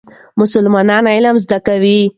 مسلمانان علم زده کوي.